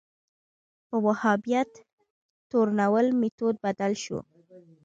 په وهابیت تورنول میتود بدل شو